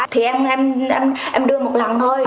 thì em đưa một lần thôi